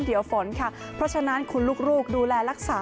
เดี๋ยวฝนค่ะเพราะฉะนั้นคุณลูกดูแลรักษา